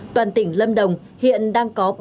toàn tỉnh lâm đồng hiện đang có